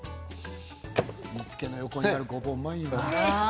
煮つけの横にあるごぼううまいよね。